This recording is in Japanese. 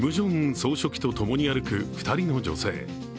総書記と共に歩く２人の女性。